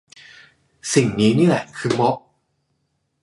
สิ่งนี้นี่แหละคือม็อบ